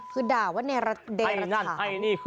คือด่าว่าในรักษา